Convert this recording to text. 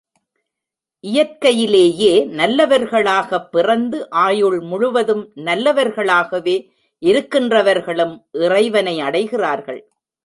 இயற்கையிலேயே நல்லவர்களாக பிறந்து, ஆயுள் முழுவதும் நல்லவர்களாகவே இருக்கின்றவர்களும் இறைவனை அடைகிறார்கள்.